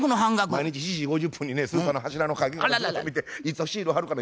毎日７時５０分にねスーパーの柱の陰からずっと見ていつシール貼るかな。